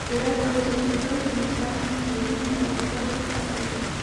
خیرات او صدقه انسان د خدای د عذاب څخه ساتي.